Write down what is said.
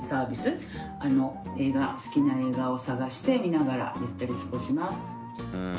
映画好きな映画を探して見ながらゆったり過ごします。